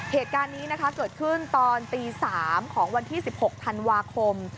เหตุการณ์นี้นะคะเกิดขึ้นตอนตี๓ของวันที่๑๖ธันวาคม